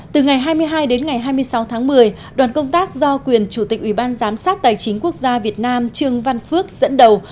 từ ngày hai mươi hai đến ngày hai mươi sáu tháng một mươi đoàn công tác do quyền chủ tịch ủy ban giám sát tài chính quốc gia việt nam trương văn phước dẫn đầu